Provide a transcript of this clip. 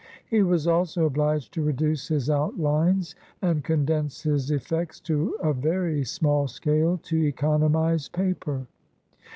He was also obliged to reduce his outlines and condense his effects to a very small scale to economize paper.